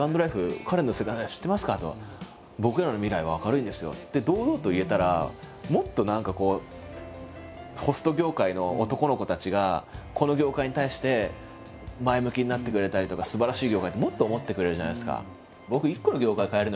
「僕らの未来は明るいんですよ」って堂々と言えたらもっと何かホスト業界の男の子たちがこの業界に対して前向きになってくれたりとかすばらしい業界ってもっと思ってくれるじゃないですか。